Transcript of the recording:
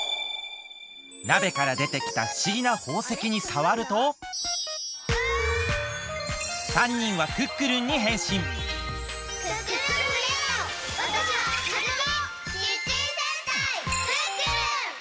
なべからでてきたふしぎなほうせきにさわると３にんはクックルンにへんしんキッチン戦隊クックルン！